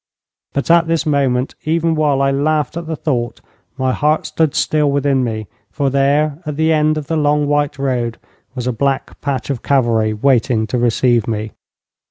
But at this moment, even while I laughed at the thought, my heart stood still within me, for there at the end of the long white road was a black patch of cavalry waiting to receive me.